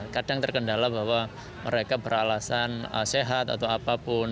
kadang terkendala bahwa mereka beralasan sehat atau apapun